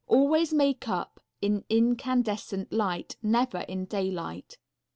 Always make up in incandescent light, never in daylight.